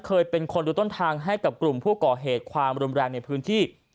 เคยเป็นคนดูต้นทางให้กับกลุ่มผู้ก่อเหตุความรุนแรงในพื้นที่